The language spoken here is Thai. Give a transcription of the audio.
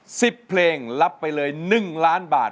ทั้งหมด๑๐เพลงรับไปเลย๑ล้านบาท